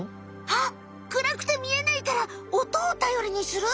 あっ暗くて見えないからおとをたよりにする？